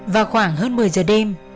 vào khoảng hơn một mươi giờ đêm